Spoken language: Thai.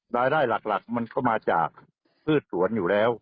รายได้หลักมันก็มาจากพืชสวนอยู่แล้ว